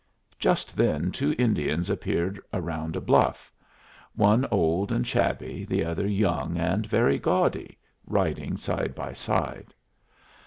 Just then two Indians appeared round a bluff one old and shabby, the other young and very gaudy riding side by side.